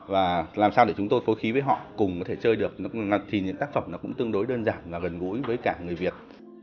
và làm sao để chúng tôi phối khí với họ cùng có thể chơi được thì những tác phẩm nó cũng tương đối đơn giản và gần gũi với cả người việt